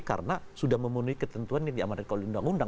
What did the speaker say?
karena sudah memenuhi ketentuan yang diamanin oleh undang undang